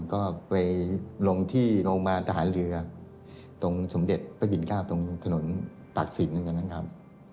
ก็ไปลงที่โรงพยาบาลทหารเรือตรงสมเด็จพระปิ่นเก้าตรงถนนตากศิลป์หนึ่งนะครับ